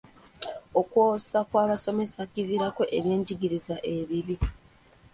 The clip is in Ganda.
Okwosa kw'abasomesa kiviirako ebyenjigiriza ebibi.